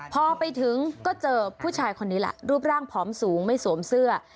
พอไปถึงก็เจอผู้ชายคนนี้แหละรูปร่างผอมสูงไม่สวมเสื้อ